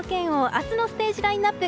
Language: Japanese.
明日のステージラインアップ